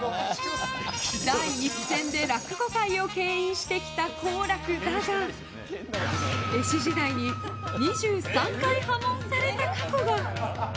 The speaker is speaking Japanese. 第一線で落語界を牽引してきた好楽だが弟子時代に２３回破門された過去が。